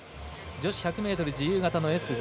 女子１００ｍ自由形のＳ５。